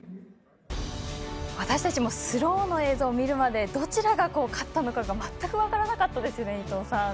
私たちもスローの映像を見るまでどちらが勝ったのかが全く分からなかったですね。